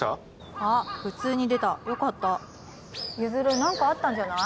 あっ普通に出たよかった譲何かあったんじゃない？